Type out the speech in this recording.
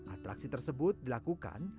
atraksi tersebut dilakukan